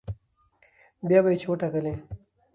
بيا به يې چې وټاکلې